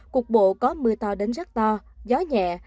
cục bộ có mưa to đến rất to gió nhẹ